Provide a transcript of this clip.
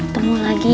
temu lagi ya